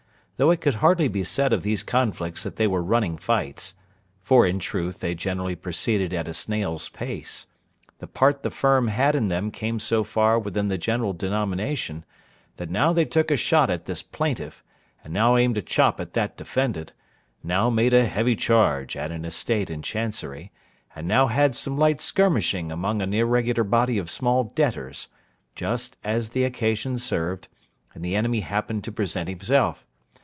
Though it could hardly be said of these conflicts that they were running fights—for in truth they generally proceeded at a snail's pace—the part the Firm had in them came so far within the general denomination, that now they took a shot at this Plaintiff, and now aimed a chop at that Defendant, now made a heavy charge at an estate in Chancery, and now had some light skirmishing among an irregular body of small debtors, just as the occasion served, and the enemy happened to present himself.